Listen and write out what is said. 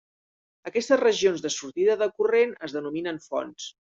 Aquestes regions de sortida de corrent es denominen fonts.